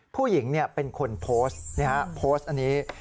ผู้หญิงเป็นคนโพสต์โพสต์อันนี้